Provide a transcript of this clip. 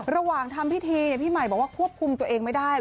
ระหว่างทำพิธีพี่ใหม่บอกว่าควบคุมตัวเองไม่ได้